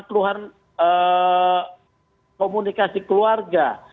kemahiran komunikasi keluarga